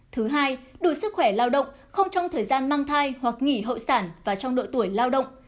thứ hai đủ sức khỏe lao động không trong thời gian mang thai hoặc nghỉ hội sản và trong độ tuổi lao động